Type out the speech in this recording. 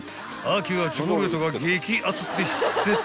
［秋はチョコレートが激アツって知ってたかい？］